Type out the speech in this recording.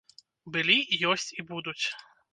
Былі, ёсць і будуць.